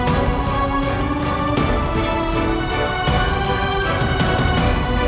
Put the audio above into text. aku akan menangkapmu